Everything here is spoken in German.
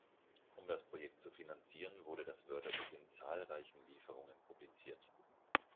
Um das Projekt zu finanzieren, wurde das Wörterbuch in zahlreichen Lieferungen publiziert.